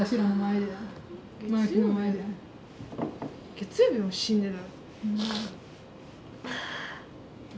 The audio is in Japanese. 月曜日も死んでた。